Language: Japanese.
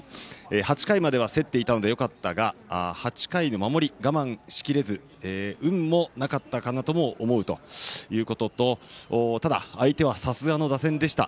８回までは競っていたのでよかったが、８回の守り我慢しきれず運もなかったかなとも思うということとただ、相手はさすがの打線でした。